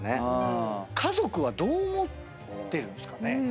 家族はどう思ってるんですかね？